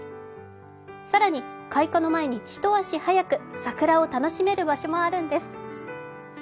更に、開花の前に一足早く桜を楽しめる場所もあるんです。